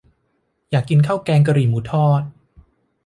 อยากกินข้าวแกงกะหรี่หมูทอด